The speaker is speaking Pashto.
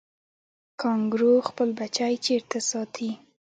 کانګارو خپل بچی چیرته ساتي؟